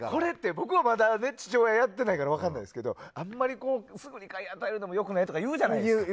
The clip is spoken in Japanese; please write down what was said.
僕はまだ父親やってないから分からないですけどあんまりすぐに買い与えるのも良くないっていうじゃないですか。